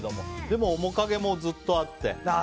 でも、面影もずっとあって。